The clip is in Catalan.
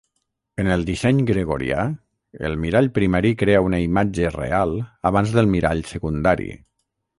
En el disseny gregorià, el mirall primari crea una imatge real abans del mirall secundari.